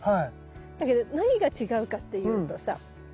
だけど何が違うかっていうとさ中身が違う。